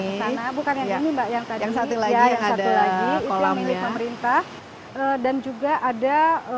kesana bukan yang ini mbak yang tadi yang satu lagi yang ada kolamnya pemerintah dan juga ada